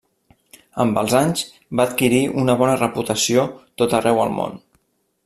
Amb els anys, va adquirir una bona reputació tot arreu el món.